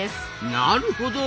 なるほど！